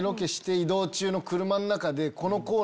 移動中の車の中で。